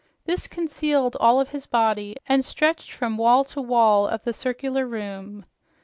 This concealed all of his body and stretched from wall to wall of the circular room.